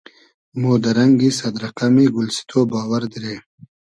مۉ دۂ رئنگی سئد رئقئمی گولسیتۉ باوئر دیرې